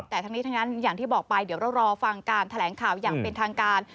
แต่ทั้งนี้ทั้งนั้นอย่างที่บอกไปเดี๋ยวเรารอฟังการแถลงข่าวอย่างเป็นทางการ